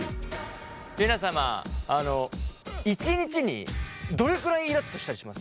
皆様１日にどれくらいイラっとしたりします？